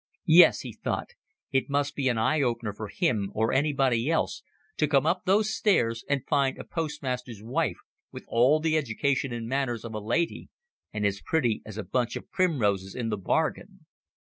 "Yes," he thought, "it must be an eye opener for him or anybody else to come up those stairs and find a postmaster's wife with all the education and manners of a lady, and as pretty as a bunch of primroses into the bargain."